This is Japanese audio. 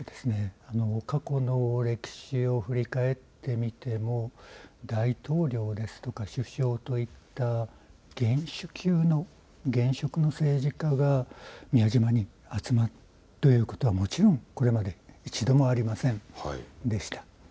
過去の歴史を振り返ってみても大統領ですとか首相といった元首級の現職の政治家が宮島に集まるということはもちろんこれまで一度もありませんでした。